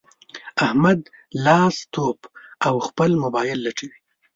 احمد لاس تپوي؛ او خپل مبايل لټوي.